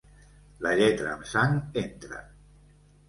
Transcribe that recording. La lletra amb sang entra.